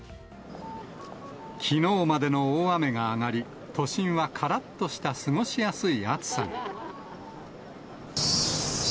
きのうまでの大雨が上がり、都心はからっとした過ごしやすい暑さに。